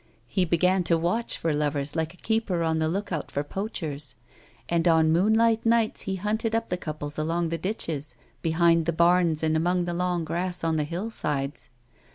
He began to watch for lovers like a keeper on the look out for poachei's, and on moonlight nights he h^mted up the couples along the ditches, behind the barns and amongst the long grass on the hill sides.